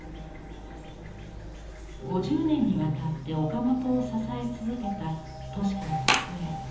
５０年にわたって岡本を支え続けた敏子の机。